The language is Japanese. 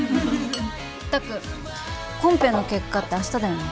拓コンペの結果って明日だよね